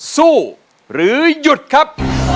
สู้หรือหยุดครับ